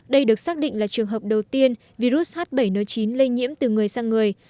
đây được xác định là trường hợp đầu tiên virus h bảy n chín lây nhiễm từ người sang người